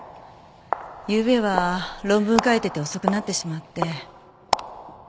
ゆうべは論文を書いてて遅くなってしまって。